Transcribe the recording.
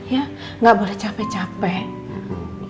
ya nggak boleh capek capek